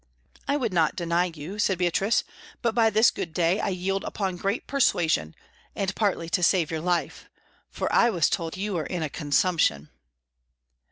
"I would not deny you," said Beatrice, "but by this good day I yield upon great persuasion, and partly to save your life, for I was told you were in a consumption."